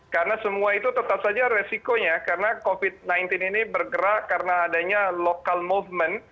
karena semua itu tetap saja resikonya karena covid sembilan belas ini bergerak karena adanya lokal movement